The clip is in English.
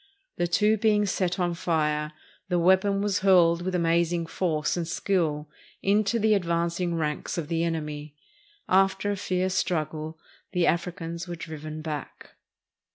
The two being set on fire, the weapon was hurled with amazing force and skill into the advanc ing ranks of the enemy. After a fierce struggle the Afri cans were driven back.